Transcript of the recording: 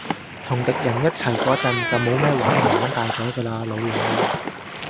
同敵人一齊嗰陣，就冇咩玩唔玩大咗㗎喇，老友